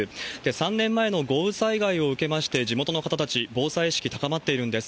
３年前の豪雨災害を受けまして、地元の方たち、防災意識高まっているんです。